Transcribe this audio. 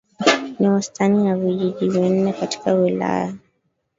Ni wastani wa vijiji vinne katika kila wilaya